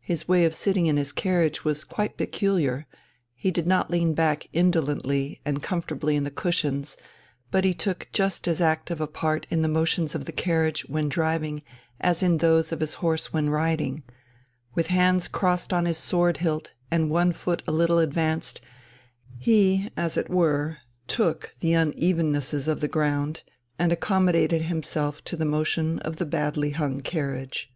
His way of sitting in his carriage was quite peculiar he did not lean back indolently and comfortably in the cushions, but he took just as active a part in the motions of the carriage when driving as in those of his horse when riding; with hands crossed on his sword hilt and one foot a little advanced, he as it were "took" the unevennesses of the ground, and accommodated himself to the motion of the badly hung carriage.